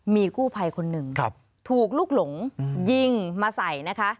มีกู้ภัยคนหนึ่งถูกลูกหลงยิงมาใส่นะคะ